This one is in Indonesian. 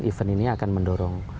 kami yakinkan event ini akan mendorong